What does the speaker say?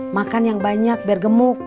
makan yang banyak biar gemuk